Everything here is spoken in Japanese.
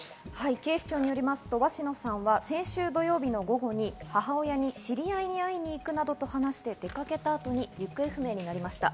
警視庁によりますと鷲野さんは先週土曜日の午後、母親に知り合いに会いにゆくなどと出かけた後、行方不明になりました。